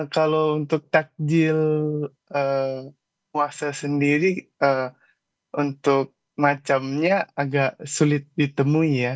kalau untuk takjil puasa sendiri untuk macamnya agak sulit ditemui ya